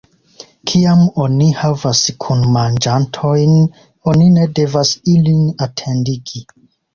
Kiam oni havas kunmanĝantojn, oni ne devas ilin atendigi.